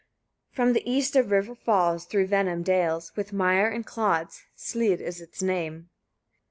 40. From the east a river falls, through venom dales, with mire and clods, Slîd is its name.